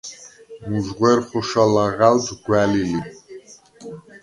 მუჟღუ̂ერ ხოშა ლაღა̈ლდ გუ̂ა̈ლი ლი.